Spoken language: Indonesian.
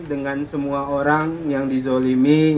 dengan semua orang yang dizolimi dan berpengalaman